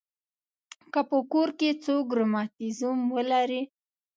که په کور کې څوک رماتیزم ولري.